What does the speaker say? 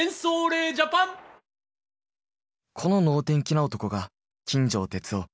この脳天気な男が金城哲夫。